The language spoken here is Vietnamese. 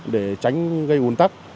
để tránh gây ủn tắc